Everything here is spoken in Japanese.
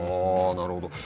なるほど。